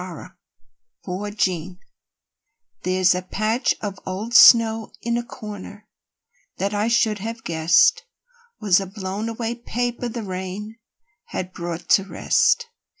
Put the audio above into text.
A PATCH OF OLD SNOW There's a patch of old snow in a corner That I should have guessed Was a blow away paper the rain Had brought to rest.